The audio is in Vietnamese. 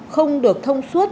không được thông suốt